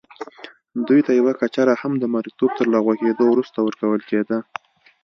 دوی ته یوه کچره هم د مریتوب تر لغوه کېدو وروسته ورکول کېده.